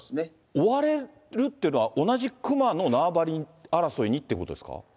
追われるっていうのは、同じ熊の縄張り争いにってことですか。